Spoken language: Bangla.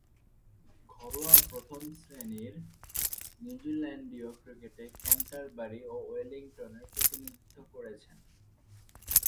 ঘরোয়া প্রথম-শ্রেণীর নিউজিল্যান্ডীয় ক্রিকেটে ক্যান্টারবারি ও ওয়েলিংটনের প্রতিনিধিত্ব করেছেন।